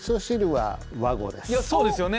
そうですよね。